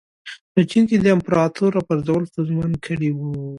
په چین کې د امپراتور راپرځول ستونزمن کړي وو.